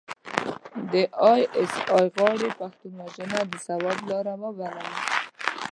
د ای اس ای غاړې پښتون وژنه د ثواب لاره وبلله.